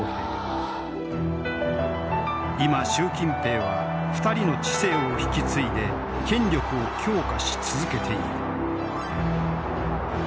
今習近平は２人の治世を引き継いで権力を強化し続けている。